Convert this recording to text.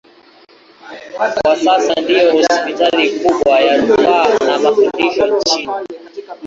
Kwa sasa ndiyo hospitali kubwa ya rufaa na mafundisho nchini.